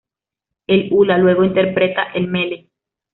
El hula luego interpreta el mele.